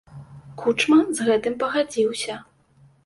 Кучма з гэтым пагадзіўся.